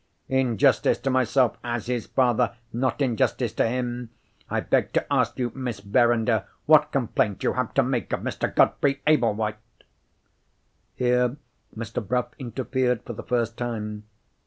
"In justice to myself as his father—not in justice to him—I beg to ask you, Miss Verinder, what complaint you have to make of Mr. Godfrey Ablewhite?" Here Mr. Bruff interfered for the first time.